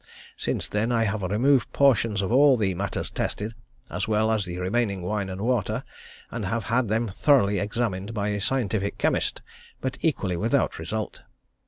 Since then I have removed portions of all the matters tested, as well as the remaining wine and water, and have had them thoroughly examined by a scientific chemist, but equally without result.